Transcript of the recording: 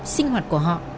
sinh hoạt của họ